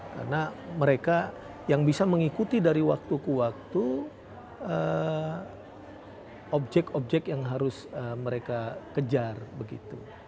karena mereka yang bisa mengikuti dari waktu ke waktu objek objek yang harus mereka kejar begitu